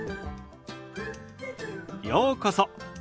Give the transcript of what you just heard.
ようこそ。